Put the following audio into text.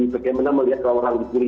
bagaimana melihat orang dibuli